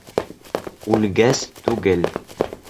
Үлгәс... түгел.